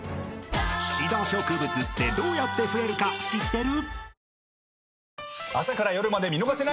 ［シダ植物ってどうやって増えるか知ってる？］